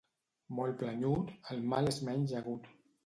Molt planyut, el mal és menys agut.